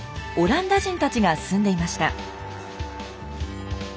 オランダ人たちが住んでいました。